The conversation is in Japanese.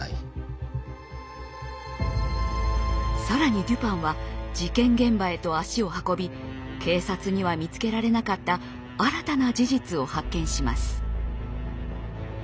更にデュパンは事件現場へと足を運び警察には見つけられなかった新たな事実を発見します。